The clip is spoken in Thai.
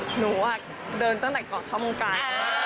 หนูเดินตั้งแต่ก่อนเข้าวงการ